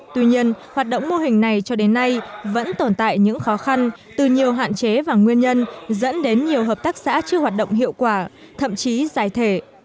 tuy nhiên hoạt động mô hình này cho đến nay vẫn tồn tại những khó khăn từ nhiều hạn chế và nguyên nhân dẫn đến nhiều hợp tác xã chưa hoạt động hiệu quả thậm chí giải thể